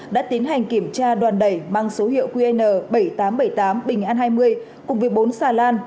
đã tiến hành kiểm tra đoàn đẩy mang số hiệu qn bảy nghìn tám trăm bảy mươi tám bình an hai mươi cùng với bốn xà lan